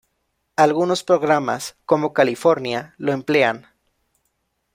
Algunos programas, como "California" lo emplean.